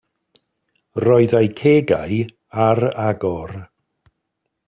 Roedd eu cegau ar agor.